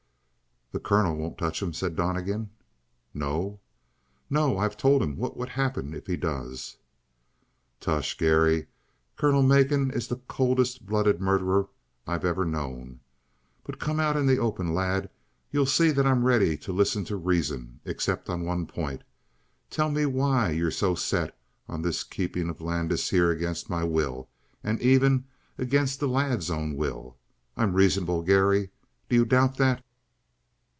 "The colonel won't touch him," said Donnegan. "No?" "No. I've told him what would happen if he does." "Tush. Garry, Colonel Macon is the coldest blooded murderer I've ever known. But come out in the open, lad. You see that I'm ready to listen to reason except on one point. Tell me why you're so set on this keeping of Landis here against my will and even against the lad's own will? I'm reasonable, Garry. Do you doubt that?"